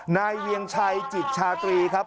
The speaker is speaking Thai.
เวียงชัยจิตชาตรีครับ